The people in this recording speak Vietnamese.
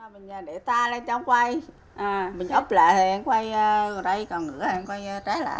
mình để ta lên trong quay mình ốc lại thì em quay ở đây còn nữa thì em quay trái lạ